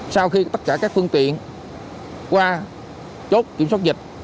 sau khi tất cả các phương tiện qua chốt kiểm soát dịch